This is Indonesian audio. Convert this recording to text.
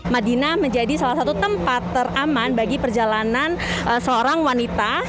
madinah menjadi salah satu tempat teraman bagi perjalanan seorang wanita